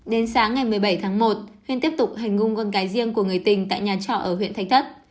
đến sáng ngày một mươi bảy tháng một huyên tiếp tục hành hung con gái riêng của người tình tại nhà trọ ở huyện thạch thất